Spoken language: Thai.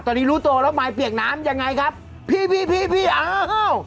ตอนนี้รู้โตแล้วไมค์เปียกน้ำยังไงครับพี่พี่พี่พี่อ้าว